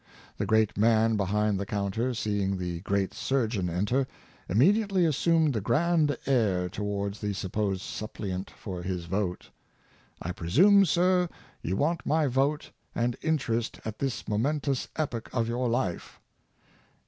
The great man behind the counter seeing the great surgeon enter, immediately assumed the grand air towards the supposed suppliant for his vote. " I presume, sir, you want my vote and interest at this momentous epoch of your life."